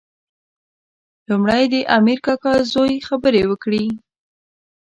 لومړی د امیر کاکا زوی خبرې وکړې.